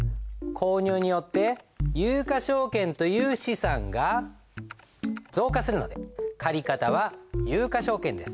購入によって有価証券という資産が増加するので借方は有価証券です。